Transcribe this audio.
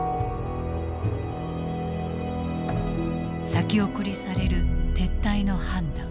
先送りされる撤退の判断。